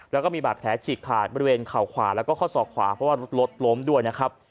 แล้วก็มีบาดแผลฉีกขาดบริเวณเข่าขวาแล้วก็ข้อศอกขวาเพราะว่ารถล้มด้วยนะครับ